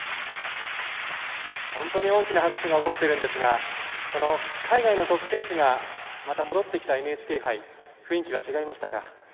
本当に大きな拍手が起こっているんですがこの海外のトップ選手がまた戻ってきたＮＨＫ杯、雰囲気は違いましたか。